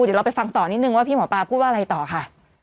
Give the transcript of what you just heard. เดี๋ยวเราไปฟังต่อนิดนึงว่าพี่หมอปลาพูดว่าอะไรต่อค่ะ